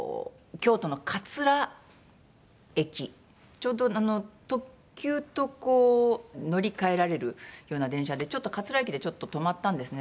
ちょうど特急と乗り換えられるような電車でちょっと桂駅でちょっと止まったんですね。